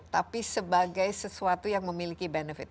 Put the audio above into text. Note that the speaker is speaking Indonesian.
tapi sebagai sesuatu yang memiliki benefit